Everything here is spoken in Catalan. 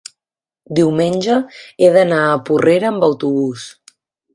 diumenge he d'anar a Porrera amb autobús.